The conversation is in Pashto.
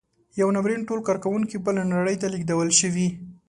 یو ناورین ټول کارکوونکي بلې نړۍ ته لېږدولی شي.